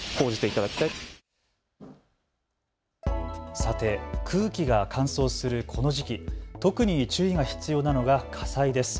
さて、空気が乾燥するこの時期、特に注意が必要なのが火災です。